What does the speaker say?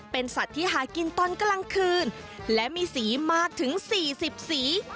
เป็นสัตว์ที่หากินตอนกลางคืนและมีสีมากถึง๔๐สี